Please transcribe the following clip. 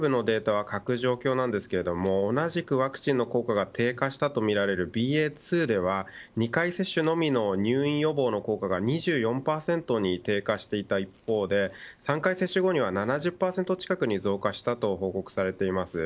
今流行しているＢＡ．５のデータは欠く状況ですが同じくワクチンの効果が低下したとみられるＢＡ．２では２回接種の入院予防の効果が２４％に低下した一方で３回接種後には７０％近くに増加したと報告されています。